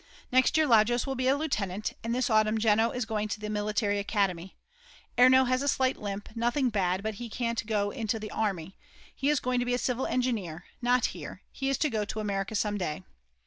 Next year Lajos will be a lieutenant, and this autumn Jeno is going to the military academy, Erno has a slight limp, nothing bad, but he can't go into the army; he is going to be a civil engineer, not here, he is to go to America some day.